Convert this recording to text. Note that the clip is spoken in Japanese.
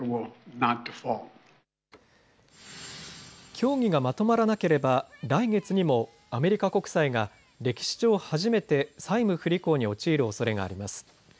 協議がまとまらなければ来月にもアメリカ国債が歴史上初めて債務不履行に陥るおそれがあります。